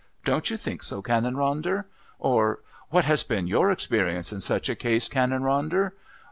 Don't you think so, Canon Ronder?" or "What has been your experience in such a case, Canon Ronder?"